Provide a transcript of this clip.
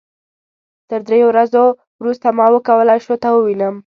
تر دریو ورځو وروسته ما وکولای شو تا ووينم.